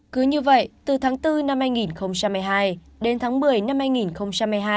cứ như vậy từ tháng bốn năm hai nghìn một mươi hai đến tháng một mươi năm hai nghìn hai mươi hai